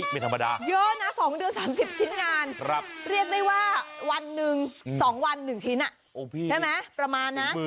ไม่ธรรมดาเยอะนะ๒เดือน๓๐ชิ้นงานเรียกได้ว่าวันหนึ่ง๒วัน๑ชิ้นใช่ไหมประมาณนะ